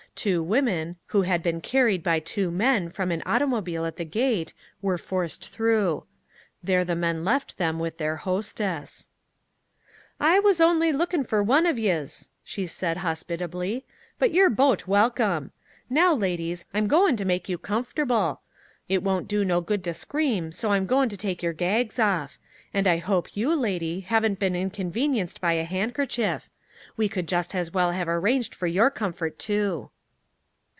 Two women, who had been carried by two men, from an automobile at the gate, were forced through. There the men left them with their hostess. "I was only looking for one of yez," she said, hospitably, "but you're bote welcome. Now, ladies, I'm goin' to make you comfortable. It won't do no good to scream, so I'm goin' to take your gags off. And I hope you, lady, haven't been inconvenienced by a handkerchief. We could just as well have arranged for your comfort, too."